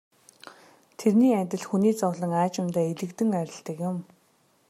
Тэрний адил хүний зовлон аажимдаа элэгдэн арилдаг юм.